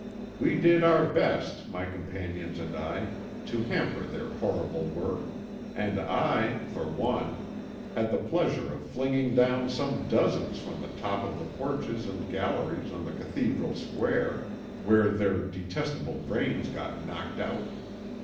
We did our best, my companions and I, to hamper their horrible work, and I, for one, had the pleasure of flinging down some dozens from the top of the porches and galleries on to the Cathedral Square, where their detestable brains got knocked out.